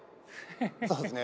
そうですね。